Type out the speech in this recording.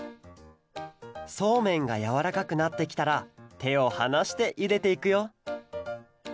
そうめんがやわらかくなってきたらてをはなしていれていくよ